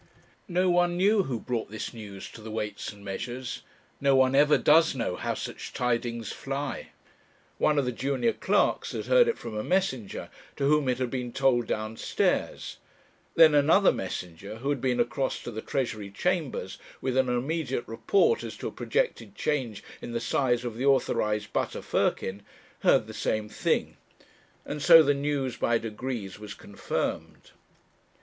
No one knew who brought this news to the Weights and Measures. No one ever does know how such tidings fly; one of the junior clerks had heard it from a messenger, to whom it had been told downstairs; then another messenger, who had been across to the Treasury Chambers with an immediate report as to a projected change in the size of the authorized butter firkin, heard the same thing, and so the news by degrees was confirmed.